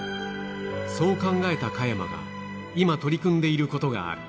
そう考えた加山が今取り組んでいることがある。